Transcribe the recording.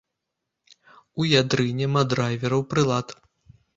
У ядры няма драйвераў прылад.